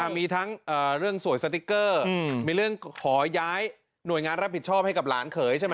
มีทั้งเรื่องสวยสติ๊กเกอร์มีเรื่องขอย้ายหน่วยงานรับผิดชอบให้กับหลานเขยใช่ไหม